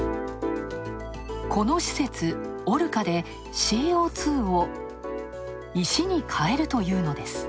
この施設、オルカでＣＯ２を、石に変えるというのです。